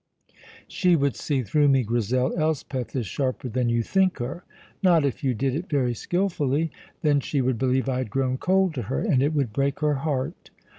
"She would see through me, Grizel. Elspeth is sharper than you think her." "Not if you did it very skilfully." "Then she would believe I had grown cold to her, and it would break her heart."